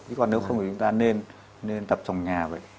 chứ còn nếu không thì chúng ta nên tập trong nhà vậy